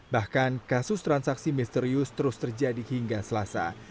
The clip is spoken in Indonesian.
bahkan kasus transaksi misterius terus terjadi hingga selasa